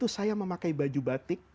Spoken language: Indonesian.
saya memakai baju batik